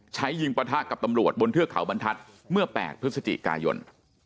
ใช้ยิงปะทะกับตำรวจบนเทือกเขาบรรทัศน์เมื่อ๘พฤศจิกายน